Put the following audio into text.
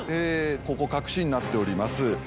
ここ隠しになっております。